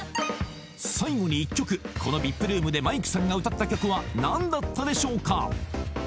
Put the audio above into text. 最後に一曲このＶＩＰルームでマイクさんが歌った曲は何だったでしょうか？